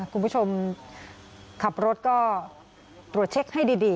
คุณผู้ชมขับรถก็ตรวจเช็คให้ดี